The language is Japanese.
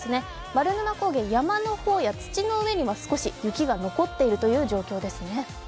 丸沼高原、山の方や土の上に少し雪が残っているという状況ですね。